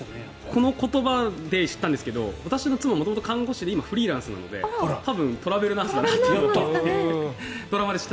この言葉で知ったんですけど私の妻は元々、看護師で今、フリーランスなので多分、トラベルナースなんだと思います。